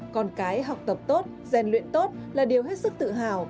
con cái học tập tốt gian luyện tốt là điều hết sức tự hào